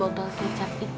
awll yang keras sih